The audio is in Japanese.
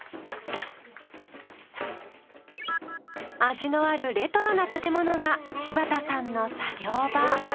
味のあるレトロな建物がしばたさんの作業場。